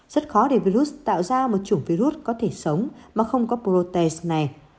rất khó để virus tạo ra một chủng virus có thể sống mà không có prote này